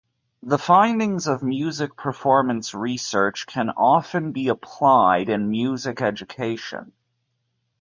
The findings of music performance research can often be applied in music education.